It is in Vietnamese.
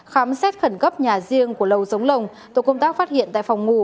khám xét khẩn cấp nhà riêng của lầu giống lồng tổ công tác phát hiện tại phòng ngủ